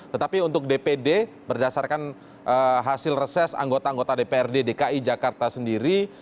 tetapi untuk dpd berdasarkan hasil reses anggota anggota dprd dki jakarta sendiri